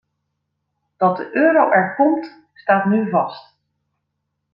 Dat de euro er komt staat nu vast.